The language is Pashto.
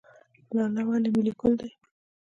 لاله ولې ملي ګل دی؟